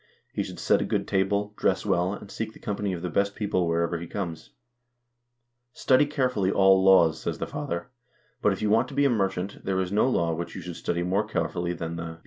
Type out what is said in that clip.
He should set a good table, dress well, and seek the company of the best people wherever he comes." "Study carefully all laws," says the father; " but if you want to be a merchant, there is no law which you should study more carefully than the Bjarkeyjarrettr,2 or laws of trade."